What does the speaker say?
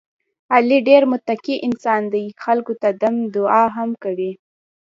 علي ډېر متقی انسان دی، خلکو ته دم دعا هم کوي.